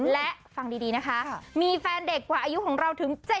และฟังดีนะคะมีแฟนเด็กกว่าอายุของเราถึง๗๐